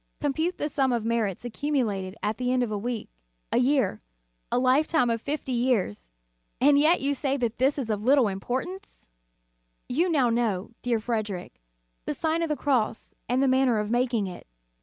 Compute the sum of merits accumulated at the end of a week, a year, a life time of fifty years. And yet you say that this is of little importance! 28 326 The Sign of the Cross You now know, dear Frederic, the Sign of the Cross, and the manner of making it.